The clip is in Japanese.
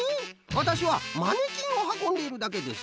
私はマネキンを運んでいるだけです。